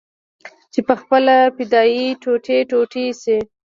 چې پخپله فدايي ټوټې ټوټې سي.